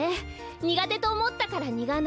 にがてとおもったからニガナ。